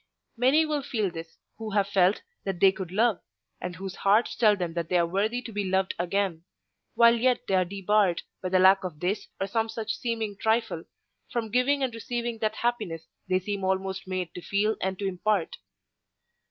Many will feel this who have felt that they could love, and whose hearts tell them that they are worthy to be loved again; while yet they are debarred, by the lack of this or some such seeming trifle, from giving and receiving that happiness they seem almost made to feel and to impart.